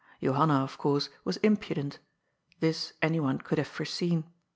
Johanna, of coarse, was impudent This any one could have foreseen.